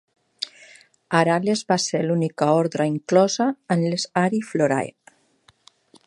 Arales va ser l'única ordre inclosa en les Ariflorae.